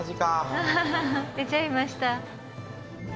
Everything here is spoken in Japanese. アハハ出ちゃいました。